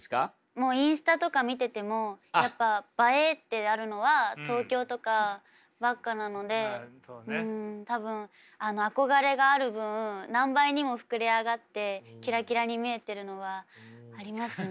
もうインスタとか見ててもやっぱ映えってあるのは東京とかばっかなので多分憧れがある分何倍にも膨れ上がってキラキラに見えてるのはありますね。